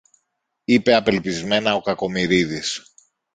είπε απελπισμένα ο Κακομοιρίδης.